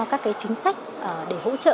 các chính sách để hỗ trợ